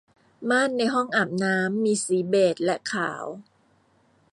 ม่านในห้องอาบน้ำมีสีเบจและขาว